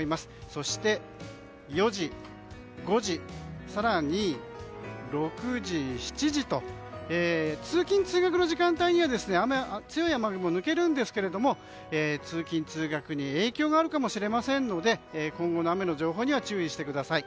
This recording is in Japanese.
そして４時、５時、更に６時、７時と通勤・通学の時間帯には強い雨雲は抜けるんですが通勤・通学に影響があるかもしれませんので今後の雨の情報には注意してください。